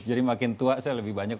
jadi makin tua saya lebih banyak